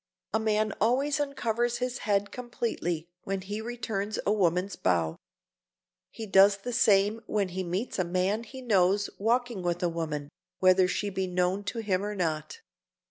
A man always uncovers his head completely when he returns a woman's bow. He does the same when he meets a man he knows walking with a woman, whether she be known to him or not.